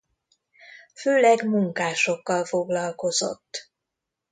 Főleg munkásokkal foglalkozott.